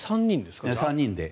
３人で。